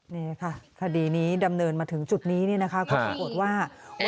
นี่ค่ะคดีนี้ดำเนินมาถึงจุดนี้นะคะก็ปรากฏว่า